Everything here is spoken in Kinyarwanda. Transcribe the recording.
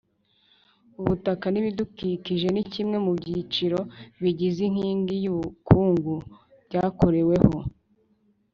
Ubutaka n ibidukikije ni kimwe mu byiciro bigize inkingi y ubukungu byakoreweho